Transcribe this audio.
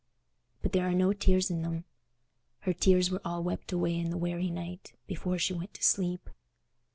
But there are no tears in them: her tears were all wept away in the weary night, before she went to sleep.